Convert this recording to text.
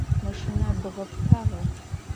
Maşşiner bğapıtağa?